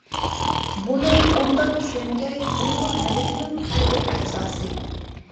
بۇنى ئوبدان چۈشەنگەي ئۇيغۇر مىللىتىنىڭ ھەر بىر ئەزاسى!